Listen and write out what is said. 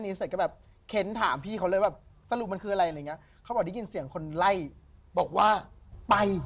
พี่ช่างภาพเห็นอะไรเหรอครับเมื่อกี้